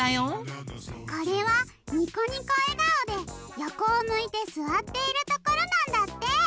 これはにこにこえがおでよこをむいてすわっているところなんだって。